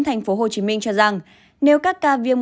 tp hcm cho rằng nếu các ca viêm